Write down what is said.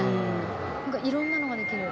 なんかいろんなのができる。